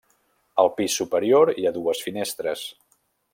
Al pis superior hi ha dues finestres.